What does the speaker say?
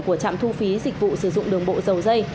của trạm thu phí dịch vụ sử dụng đường bộ dầu dây